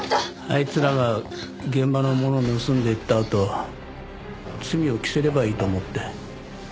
あいつらが現場のものを盗んでいったあと罪を着せればいいと思って。